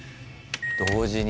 「同時に」。